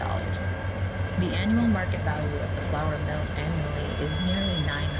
The annual market value of the flour milled annually is nearly $900,000,000.